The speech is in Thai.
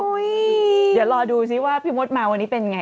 เดี๋ยวรอดูซิว่าพี่มดมาวันนี้เป็นไง